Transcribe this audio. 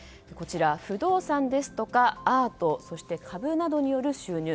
不動産ですとかアート、そして株などによる収入。